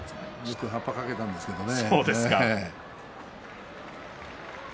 よくはっぱをかけたんですけどね。